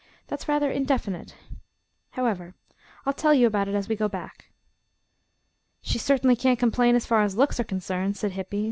"That's rather indefinite. However, I'll tell you about it as we go back." "She certainly can't complain as far as looks are concerned," said Hippy.